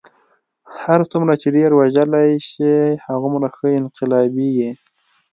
هر څومره چې ډېر وژلی شې هغومره ښه انقلابي یې.